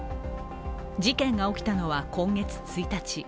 事件が起きたのは、今月１日。